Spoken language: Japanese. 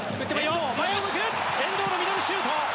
遠藤のミドルシュート！